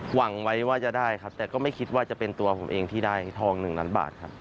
หวังไว้ว่าจะได้ครับแต่ก็ไม่คิดว่าจะเป็นตัวผมเองที่ได้ทอง๑ล้านบาทครับ